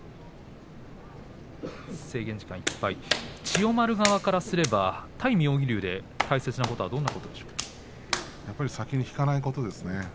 千代丸側からすれば対妙義龍で大切なことは先に引かないことですね。